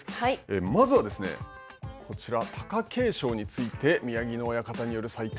まずは、こちら貴景勝について宮城野親方による採点